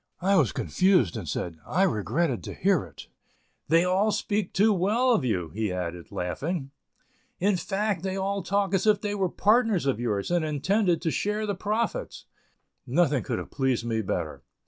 I was confused, and said "I regretted to hear it." "They all speak too well of you," he added, laughing; "in fact they all talk as if they were partners of yours, and intended to share the profits." Nothing could have pleased me better.